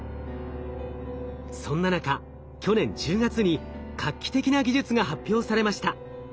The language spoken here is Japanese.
そんな中去年１０月に画期的な技術が発表されました。